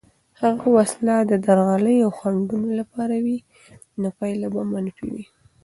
که وسله د درغلي او خنډونو لپاره وي، نو پایله به منفي وي.